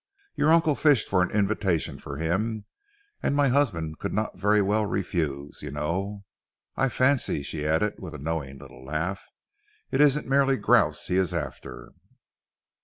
Your uncle fished for an invitation for him, and my husband could not very well refuse, you know. I fancy," she added with a knowing little laugh, "it isn't merely grouse he is after."